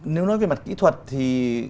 nếu nói về mặt kỹ thuật thì